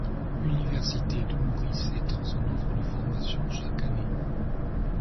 L'Université de Maurice étend son offre de formation chaque année.